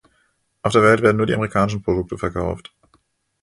Auf der Welt werden nur die amerikanischen Produkte verkauft.